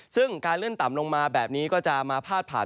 ซึ่งการเลื่อนต่ำลงมาแบบนี้ก็จะมาพาดผ่าน